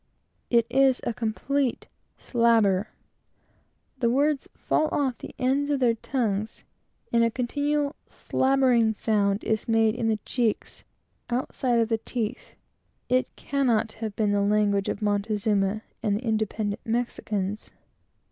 It is a complete slabber. The words fall off of the ends of their tongues, and a continual slabbering sound is made in the cheeks, outside of the teeth. It cannot have been the language of Montezuma and the independent Mexicans.